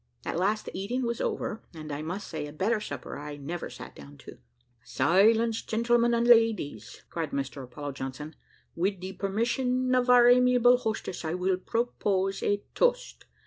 At last the eating was over, and I must say a better supper I never sat down to. "Silence, gentlemen and ladies," cried Mr Apollo Johnson, "wid de permission of our amiable hostess, I will purpose a toast.